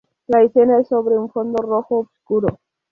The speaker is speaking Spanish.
La escena es sobre un fondo rojo oscuro.